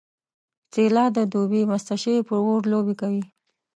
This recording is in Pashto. څیله د دوبي مسته شوې په اور لوبې کوي